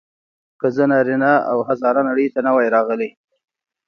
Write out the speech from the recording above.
که زه نارینه او هزاره نړۍ ته نه وای راغلی.